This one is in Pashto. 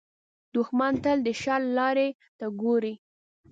دښمن تل د شر لارې ته ګوري